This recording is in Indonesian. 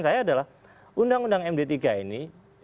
saya adalah undang undang md tiga ini